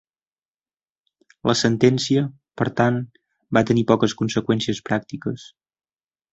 La sentència, per tant, va tenir poques conseqüències pràctiques.